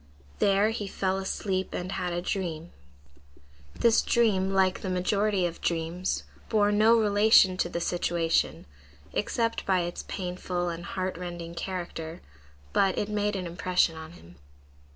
There he fell asleep and had a dream. This dream, like the majority of dreams, bore no relation to the situation, except by its painful and heart rending character, but it made an impression on him.